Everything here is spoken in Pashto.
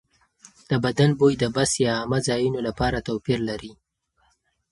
د بدن بوی د بس یا عامه ځایونو لپاره توپیر لري.